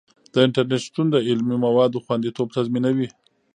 د انټرنیټ شتون د علمي موادو خوندیتوب تضمینوي.